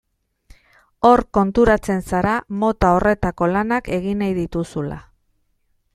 Hor konturatzen zara mota horretako lanak egin nahi dituzula.